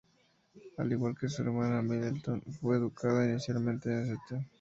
Al igual que su hermana, Middleton fue educada inicialmente en St.